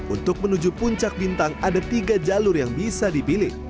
untuk menuju puncak bintang ada tiga jalur yang bisa dipilih